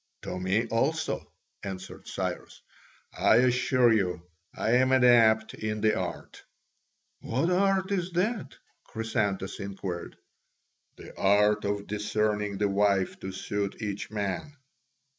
"To me also," answered Cyrus; "I assure you, I am adept in the art." "What art is that?" Chrysantas inquired. "The art of discerning the wife to suit each man."